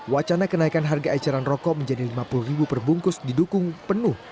wacana kenaikan harga eceran rokok menjadi lima puluh ribu perbungkus didukung penuh